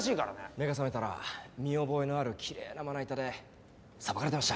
目が覚めたら見覚えのあるきれいなまな板でさばかれてました。